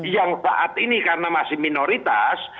yang saat ini karena masih minoritas